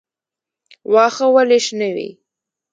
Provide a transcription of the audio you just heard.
واښه ولې شنه وي؟